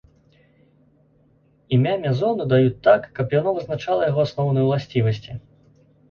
Імя мезону даюць так, каб яно вызначала яго асноўныя ўласцівасці.